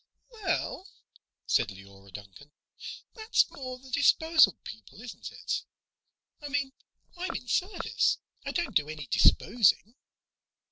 "Well," said Leora Duncan, "that's more the disposal people, isn't it? I mean, I'm in service. I don't do any disposing."